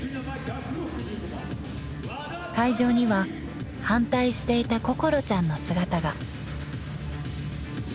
［会場には反対していた心ちゃんの姿が］